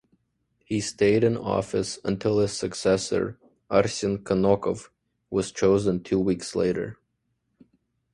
He stayed in office until his successor, Arsen Kanokov was chosen two weeks later.